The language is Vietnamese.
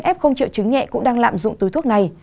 nhưng không chịu chứng nhẹ cũng đang lạm dụng túi thuốc này